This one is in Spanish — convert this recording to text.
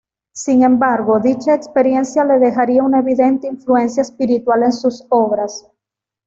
Sin embargo, dicha experiencia le dejaría una evidente influencia espiritual en sus obras.